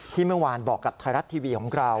เมื่อวานบอกกับไทยรัฐทีวีของเรา